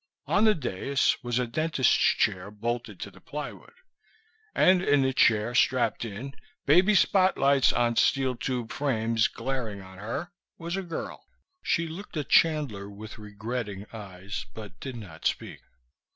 On the dais was a dentist's chair, bolted to the plywood; and in the chair, strapped in, baby spotlights on steel tube frames glaring on her, was a girl. She looked at Chandler with regretting eyes but did not speak.